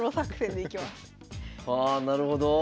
ああなるほど。